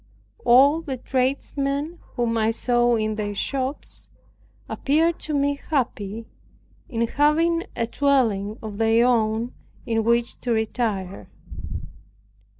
All the tradesmen, whom I saw in their shops, appeared to me happy, in having a dwelling of their own in which to retire.